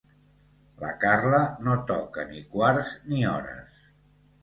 La Carla no toca ni quarts ni hores.